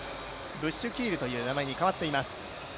ブッシュキールという名前に変わっています。